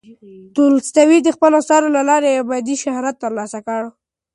تولستوی د خپلو اثارو له لارې ابدي شهرت ترلاسه کړ.